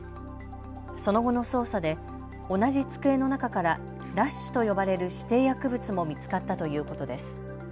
その後の捜査で同じ机の中からラッシュと呼ばれる指定薬物も見つかったということです。